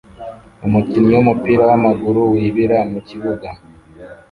umukinnyi wumupira wamaguru wibira mukibuga